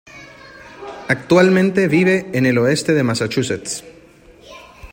Actualmente vive en el oeste de Massachusetts.